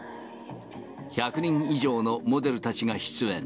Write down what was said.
１００人以上のモデルたちが出演。